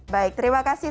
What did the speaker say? baik terima kasih